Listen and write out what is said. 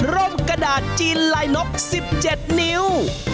ร่มกระดาษจีนลายนก๑๗นิ้ว